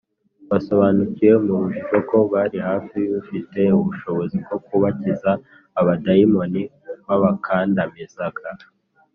basobanukiwe mu rujijo ko bari hafi y’ufite ubushobozi bwo kubakiza abadayimoni babakandamizaga